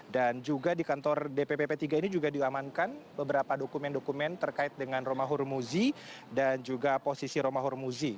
dan juga di kantor dppp tiga ini juga diamankan beberapa dokumen dokumen terkait dengan romahur muzi dan juga posisi romahur muzi